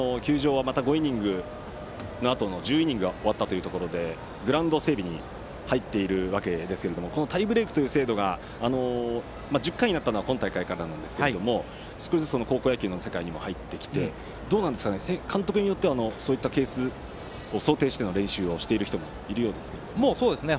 球場は１０イニングが終わったということでグラウンド整備に入っていますがこのタイブレークという制度が１０回になったのは今大会からなんですが、少しずつ高校野球の世界にも入ってきて監督によってはそういったケースを想定しての練習もしている監督もいるようですが。